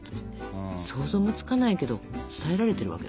想像もつかないけど伝えられてるわけだから。